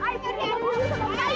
i berduduk sama i